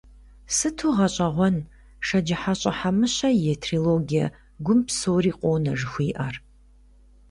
Сыту гъэщӏэгъуэн Шэджыхьэщӏэ Хьэмыщэ и трилогие «Гум псори къонэ» жыхуиӏэр!